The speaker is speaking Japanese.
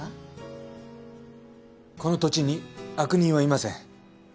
この土地に悪人はいません。